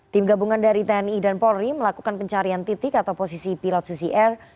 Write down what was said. tim gabungan dari tni dan polri melakukan pencarian titik atau posisi pilot susi air